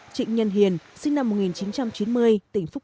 trịnh nhân hiền ly tan giang phần